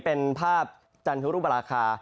เมื่อวานนี้เป็นภาพจันทรุปราคา